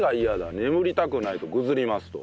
眠りたくないとぐずりますと。